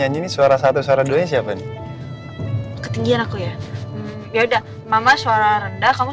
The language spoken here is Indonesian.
anda kamu suara satu ya suara satu tuh kayak gini